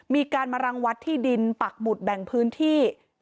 มีการมารังวัดที่ดินปักหมุดแบ่งพื้นที่